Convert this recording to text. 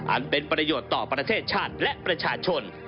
อันเป็นประโยชน์ต่อประเทศชาติและประชาชน